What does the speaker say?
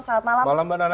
salam malam mbak nana